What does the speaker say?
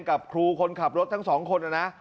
กับครูคนขับรถทั้งสองคนนะนะ